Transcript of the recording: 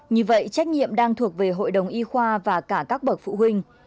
như vậy trách nhiệm đang thuộc về hội đồng y khoa và cả các bậc phụ huynh